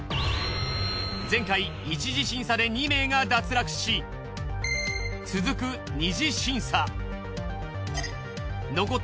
前回一次審査で２名が脱落し続くのはずが。